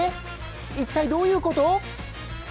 一体どういうこと？